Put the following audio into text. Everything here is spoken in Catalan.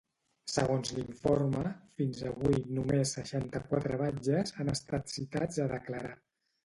Segons l’informe, fins avui només seixanta-quatre batlles han estat citats a declarar.